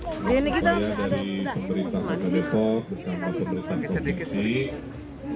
saya dari pemerintah depok bersama pemerintah komisi